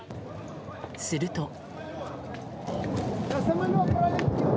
すると。